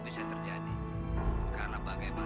pasti ada balasan